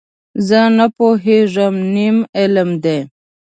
زه نه پوهېږم، نیم علم دی.